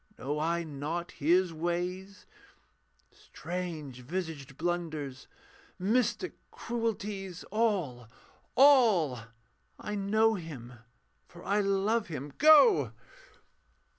Know I not His ways? Strange visaged blunders, mystic cruelties. All! all! I know Him, for I love Him. Go!